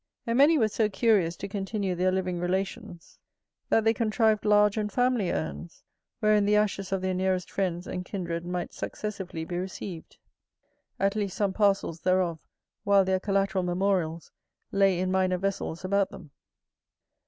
And many were so curious to continue their living relations, that they contrived large and family urns, wherein the ashes of their nearest friends and kindred might successively be received, at least some parcels thereof, while their collateral memorials lay in minor vessels about them.